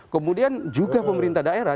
kemudian juga pemerintah daerah